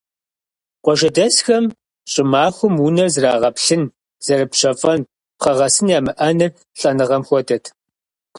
Къуажэдэсхэм щӀымахуэм унэр зэрагъэплъын, зэрыпщэфӀэн пхъэгъэсын ямыӀэныр лӀэныгъэм хуэдэт.